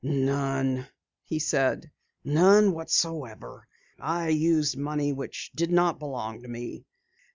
"None," he said. "None whatsoever. I used money which did not belong to me.